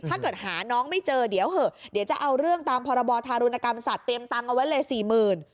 ถ้าเกิดหาน้องไม่เจอเดี๋ยวเหอะเดี๋ยวจะเอาเรื่องตามพรบธารุณกรรมสัตวเตรียมตังค์เอาไว้เลยสี่หมื่น